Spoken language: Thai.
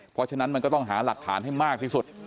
เพราะฉะนั้นมันก็ต้องหาหลักฐานให้มากที่สุด